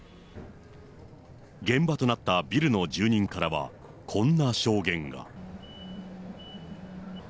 現場となったビルの住人からはこんな証言が。